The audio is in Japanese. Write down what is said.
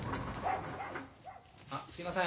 ・・あすいません。